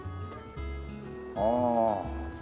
ああ。